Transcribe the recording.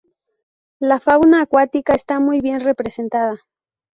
La fauna acuática está muy bien representada.